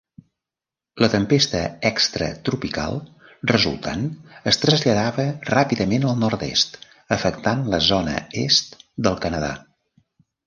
La tempesta extratropical resultant es traslladava ràpidament al nord-est, afectant la zona est del Canadà.